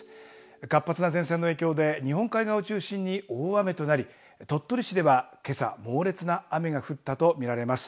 活発な前線の影響で日本海側を中心に大雨となり、鳥取市ではけさ猛烈な雨が降ったと見られます。